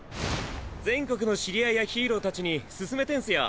全国の知り合いやヒーローたちに勧めてんスよ。